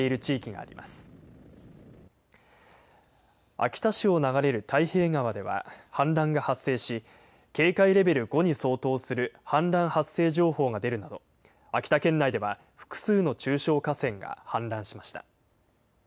秋田市を流れる太平川では氾濫が発生し警戒レベル５に相当する氾濫発生情報が出るなど秋田県内では複数の中小河川が氾濫しました。